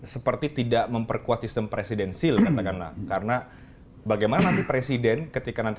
seperti tidak memperkuat sistem presidensil katakanlah karena bagaimana nanti presiden ketika nanti